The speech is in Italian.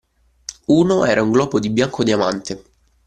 Uno era un globo di bianco diamante